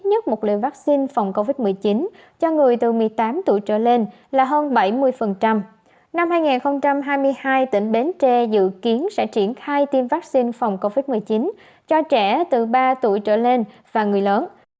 nước sẽ triển khai tiêm vaccine phòng covid một mươi chín cho trẻ từ ba tuổi trở lên và người lớn